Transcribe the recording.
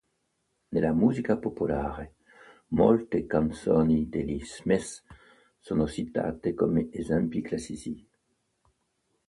Nella musica popolare, molte canzoni degli Smiths sono citate come esempi classici.